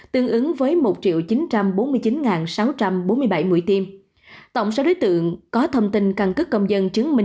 tương ứng với một chín trăm bốn mươi chín sáu trăm bốn mươi bảy mũi tiêm tổng số đối tượng có thông tin căn cước công dân chứng minh